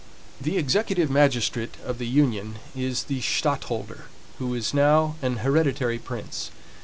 The executive magistrate of the union is the stadtholder, who is now an hereditary prince.